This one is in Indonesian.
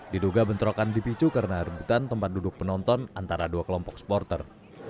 diduga bentrokan dipicu karena rebutan tempat duduk penonton antara dua kelompok supporter